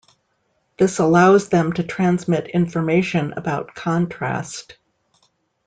This allows them to transmit information about contrast.